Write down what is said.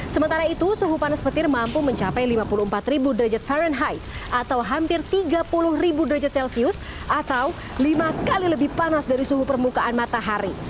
sementara itu suhu panas petir mampu mencapai lima puluh empat derajat farenheit atau hampir tiga puluh derajat celcius atau lima kali lebih panas dari suhu permukaan matahari